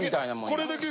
これだけ。